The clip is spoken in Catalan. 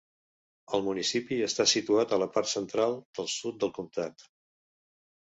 El municipi està situat a la part central del sud del comtat.